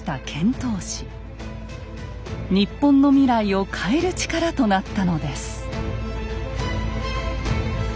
日本の未来を変える力となったのです。